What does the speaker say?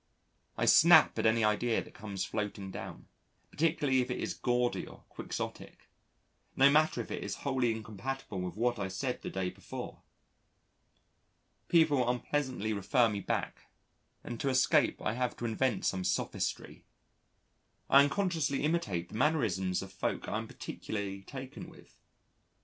I snap at any idea that comes floating down, particularly if it is gaudy or quixotic, no matter if it is wholly incompatible with what I said the day before. People unpleasantly refer me back, and to escape I have to invent some sophistry. I unconsciously imitate the mannerisms of folk I am particularly taken with.